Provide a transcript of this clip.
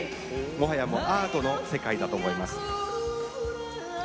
もはやアートの世界だと思います。